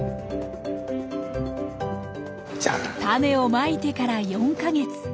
タネをまいてから４か月。